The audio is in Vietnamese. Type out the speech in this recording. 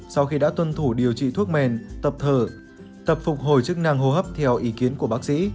sau khi đã tuân thủ điều trị thuốc men tập thở tập phục hồi chức năng hô hấp theo ý kiến của bác sĩ